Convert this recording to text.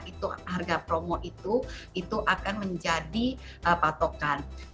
itu harga promo itu akan menjadi patokan